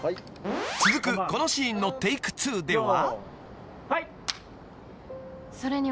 ［続くこのシーンのテーク２では］